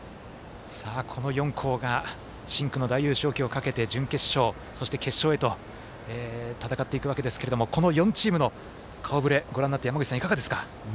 この４校が深紅の大優勝旗をかけて準決勝、そして決勝へと戦っていくわけですけれども４チームの顔ぶれはご覧になって山口さん、いかがですか？